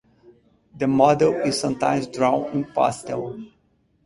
The model is sometimes drawn in pastel.